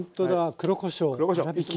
黒こしょう粗びき。